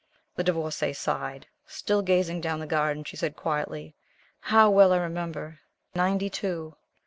The Divorcée sighed. Still gazing down the garden she said quietly: "How well I remember ninety two!"